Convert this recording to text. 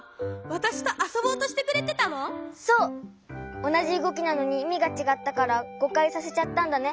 おなじうごきなのにいみがちがったからごかいさせちゃったんだね。